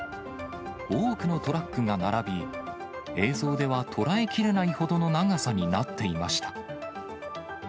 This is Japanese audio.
多くのトラックが並び、映像では捉えきれないほどの長さになっていました。